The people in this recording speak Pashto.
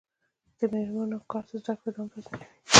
د میرمنو کار د زدکړو دوام تضمین کوي.